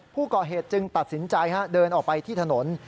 ผู้ก่อเหตุจึงตัดสินใจเดินออกไปที่ถนน